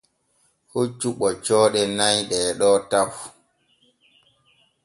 Hoccu ɓoccooɗe nay ɗeeɗo taw.